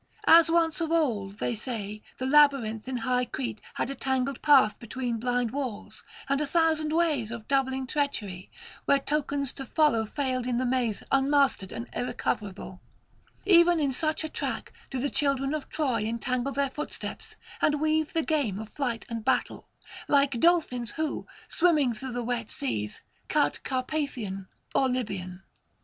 As once of old, they say, the labyrinth in high Crete had a tangled path between blind walls, and a thousand ways of doubling treachery, where tokens to follow failed in the [591 625]maze unmastered and irrecoverable: even in such a track do the children of Troy entangle their footsteps and weave the game of flight and battle; like dolphins who, swimming through the wet seas, cut Carpathian or Libyan.